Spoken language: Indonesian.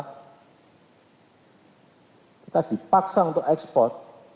kita dipaksa untuk ekspor